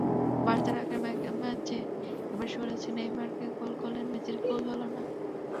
বার্সার আগের ম্যাচে একবার সুয়ারেজ-নেইমার গোল করলেন, মেসির গোল হলো না।